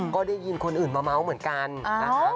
ก็ได้ยินคนอื่นมาเม้าเหมือนกันนะคะ